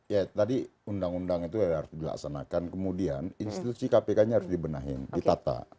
ya tadi undang undang itu harus dilaksanakan kemudian institusi kpk nya harus dibenahin ditata